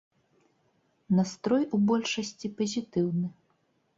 Настрой у большасці пазітыўны.